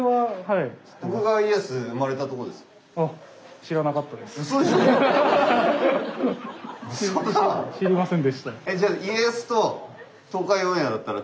知りませんでした。